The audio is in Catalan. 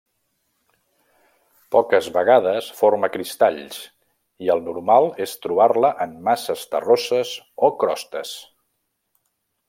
Poques vegades forma cristalls i el normal és trobar-la en masses terroses o crostes.